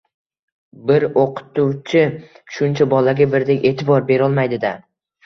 «bir o‘qituvchi shuncha bolaga birdek e’tibor berolmaydi-da!»